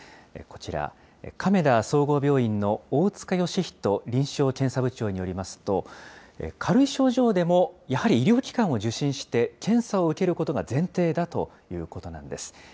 こちら、亀田総合病院の大塚喜人臨床検査部長によりますと、軽い症状でも、やはり医療機関を受診して検査を受けることが前提だということなんです。